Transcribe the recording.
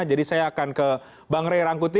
jadi saya akan ke bang rey rangkuti